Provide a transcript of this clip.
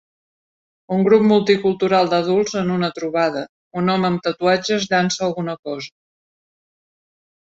Un grup multicultural d'adults en una trobada, un home amb tatuatges llança alguna cosa.